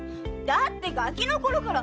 だってガキのころから！